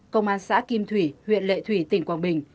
công an xã kim thủy huyện lệ thủy tỉnh quảng bình